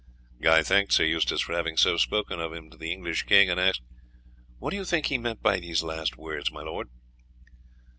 '" Guy thanked Sir Eustace for having so spoken of him to the English king, and asked: "What do you think he meant by those last words, my lord?"